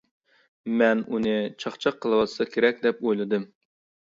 مەن ئۇنى چاقچاق قىلىۋاتسا كېرەك دەپ ئويلىدىم.